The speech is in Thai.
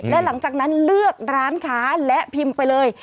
และหลังจากนั้นเลือกร้านค้าและพิมพ์ไปเลย